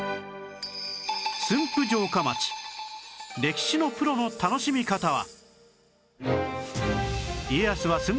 駿府城下町歴史のプロの楽しみ方は